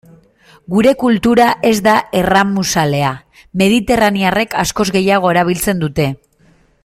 Gure kultura ez da erramuzalea, mediterranearrek askoz gehiago erabiltzen dute.